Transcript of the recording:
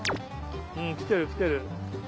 うんきてるきてる。